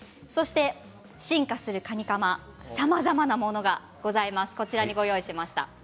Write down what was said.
進化するカニカマさまざまなものがございます。